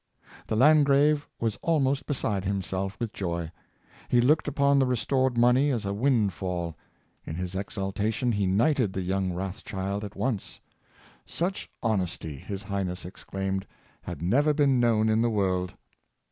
The Landgrave was almost beside himself with joy. He looked upon the restored money as a wind fall. In his exultation he knighted the young Roths child at once. " Such honesty,'' his Highness exclaimed, " had never been known in the world."